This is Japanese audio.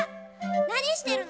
なにしてるの？